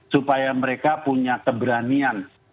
supaya mereka punya keberanian